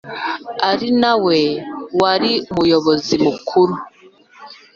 ari nawe wari umuyobozi mukuru